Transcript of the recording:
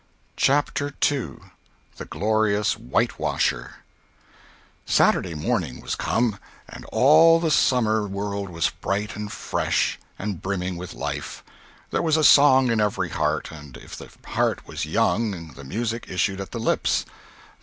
CHAPTER II SATURDAY morning was come, and all the summer world was bright and fresh, and brimming with life. There was a song in every heart; and if the heart was young the music issued at the lips.